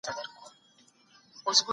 قصاص د ټولني بقا تامينوي.